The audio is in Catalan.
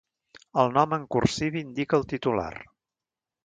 "El nom en cursiva" indica el titular.